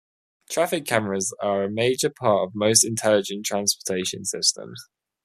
Traffic cameras are a major part of most intelligent transportation systems.